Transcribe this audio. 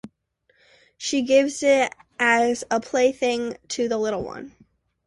She gives it as a plaything to the little one.